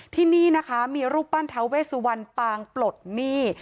ที่นี่นะคะมีรูปปั้นทาเวสุวรรณปางปลดหนี้